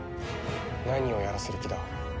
何をやらせる気だ？